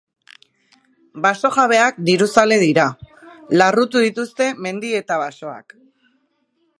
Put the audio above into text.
Baso jabeak diruzale dira; larrutu dituzte mendi eta basoak.